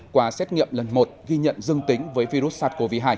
qua xét nghiệm lần một ghi nhận dương tính với virus sars cov hai